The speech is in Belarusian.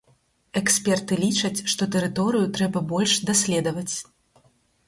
Эксперты лічаць, што тэрыторыю трэба больш даследаваць.